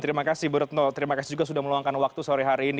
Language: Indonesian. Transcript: terima kasih bu retno terima kasih juga sudah meluangkan waktu sore hari ini